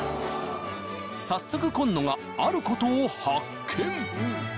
早速紺野があることを発見